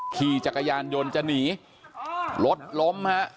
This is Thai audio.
ขี่จักรยานยนต์จะหนีรถล้มฮะ